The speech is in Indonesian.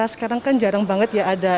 sekarang kan jarang banget ya ada